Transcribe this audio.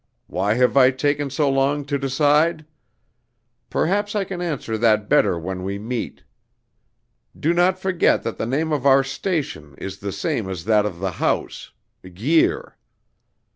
Why have I taken so long to decide? Perhaps I can answer that better when we meet. Do not forget that the name of our station is the same as that of the house Guir.